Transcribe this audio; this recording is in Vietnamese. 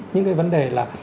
những cái vấn đề là